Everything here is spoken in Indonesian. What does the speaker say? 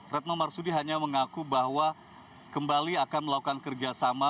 retno marsudi hanya mengaku bahwa kembali akan melakukan kerjasama